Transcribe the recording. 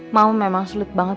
mama memang sulit banget